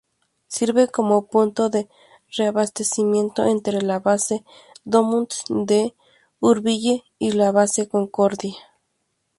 Sirve como punto de reabastecimiento entre la base Dumont d'Urville y la base Concordia.